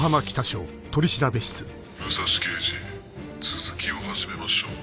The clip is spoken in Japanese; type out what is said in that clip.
武蔵刑事続きを始めましょう。